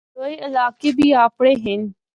دوئے علاقے بی آپنڑے ہن۔